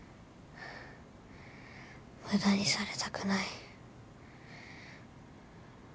無駄にされたくない。